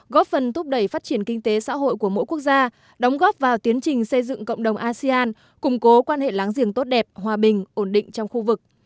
góp phần thúc đẩy phát triển kinh tế xã hội của mỗi quốc gia đóng góp vào tiến trình xây dựng cộng đồng asean củng cố quan hệ láng giềng tốt đẹp hòa bình ổn định trong khu vực